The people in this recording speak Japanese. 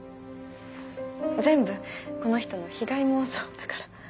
全部この人の被害妄想だから。